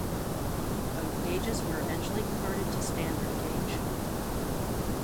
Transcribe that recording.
Both gauges were eventually converted to standard gauge.